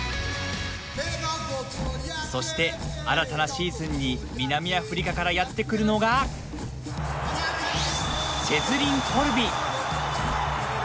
そして新たなシーズンに南アフリカからやって来るのがチェズリン・コルビ。